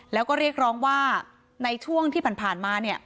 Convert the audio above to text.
แล้วก็เรียกร้องว่าในช่วงที่ผ่านมาเนี่ย